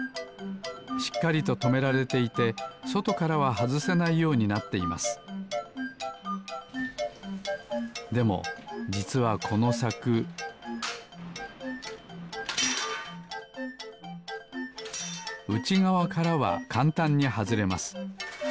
しっかりととめられていてそとからははずせないようになっていますでもじつはこのさくうちがわからはかんたんにはずれます。